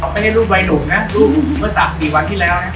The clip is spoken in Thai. เขาไปให้รูปวัยหนุ่มนะรูปเมื่อสามกี่วันที่แล้วนะ